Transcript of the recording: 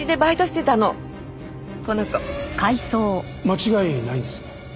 間違いないんですね？